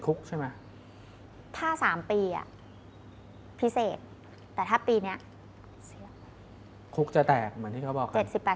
คุกจะแตกเหมือนที่เค้าบอก